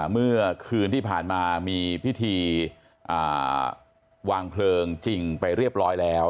เมื่อคืนที่ผ่านมามีพิธีวางเพลิงจริงไปเรียบร้อยแล้ว